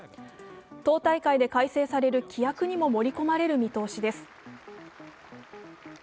党大会で改正される規約にも盛り込まれる見通しです。